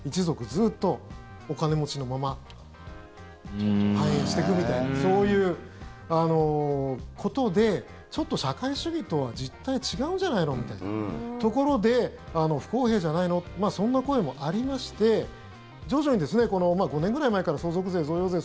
ずっとお金持ちのまま繁栄していくみたいなそういうことでちょっと社会主義とは実態が違うんじゃないのみたいなところで不公平じゃないのってそんな声もありまして徐々に、５年ぐらい前から相続税、贈与税